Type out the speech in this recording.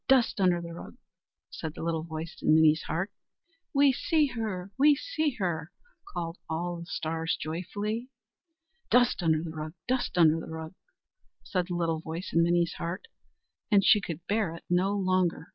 dust under the rug!" said the little voice in Minnie's heart. "We see her! we see her!" called all the stars joyfully. "Dust under the rug! dust under the rug!" said the little voice in Minnie's heart, and she could bear it no longer.